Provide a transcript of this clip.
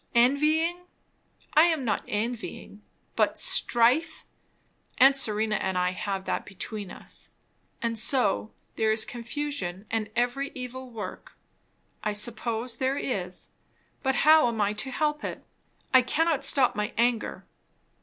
"Envying" I am not envying; but "strife" aunt Serena and I have that between us. And so "there is confusion and every evil work." I suppose there is. But how am I to help it? I cannot stop my anger.